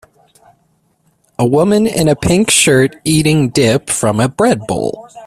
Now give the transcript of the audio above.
A woman in a pink shirt eating dip from a bread bowl